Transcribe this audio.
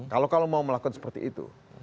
kalau mau melakukan seperti itu